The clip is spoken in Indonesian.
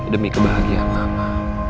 demi kebahagiaan mama